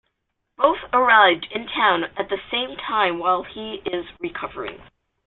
Both arrive in town at the same time while he is recovering.